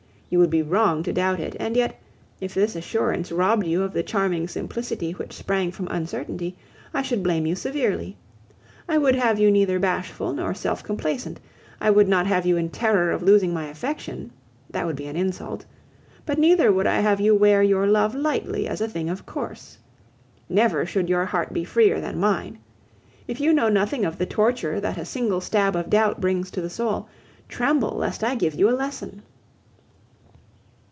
You would be wrong to doubt it; and yet, if this assurance robbed you of the charming simplicity which sprang from uncertainty, I should blame you severely. I would have you neither bashful nor self complacent; I would not have you in terror of losing my affection that would be an insult but neither would I have you wear your love lightly as a thing of course. Never should your heart be freer than mine. If you know nothing of the torture that a single stab of doubt brings to the soul, tremble lest I give you a lesson!